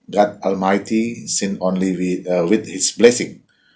tuhan yang maha luar biasa hanya dengan berdoa